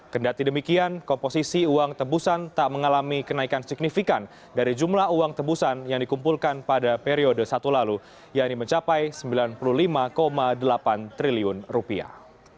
kendati demikian komposisi uang tebusan tak mengalami kenaikan signifikan dari jumlah uang tebusan yang dikumpulkan pada periode satu lalu yang ini mencapai sembilan puluh lima delapan triliun rupiah